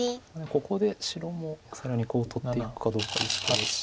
ここで白も更にコウを取っていくかどうかですけど。